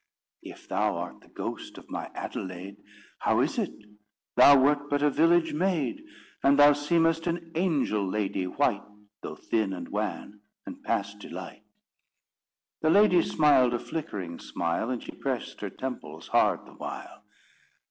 "If thou art the ghost of my Adelaide, How is it? Thou wert but a village maid, And thou seemest an angel lady white, Though thin, and wan, and past delight." The lady smiled a flickering smile, And she pressed her temples hard the while.